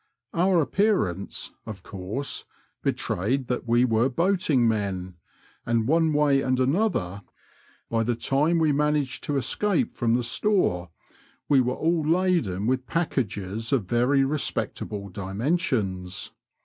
Our appearance, of course, betrayed that we were boating men, and one way and another, by the time we managed to escape from the store, we were all laden with packages of very respectable dimensions.